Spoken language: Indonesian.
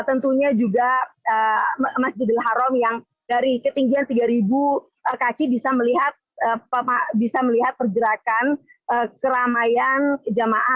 tentunya juga masjid al haram yang dari ketinggian tiga ribu kaki bisa melihat pergerakan keramaian jemaah